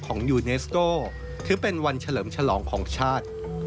ยูเนสโก้ถือเป็นวันเฉลิมฉลองของชาติ